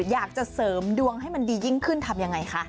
อยากจะเสริมดวงให้มันดียิ่งขึ้นทำยังไงคะ